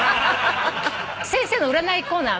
先生の占いコーナー